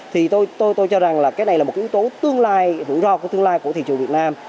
thì tôi cho rằng là cái này là một yếu tố tương lai rủi ro của tương lai của thị trường việt nam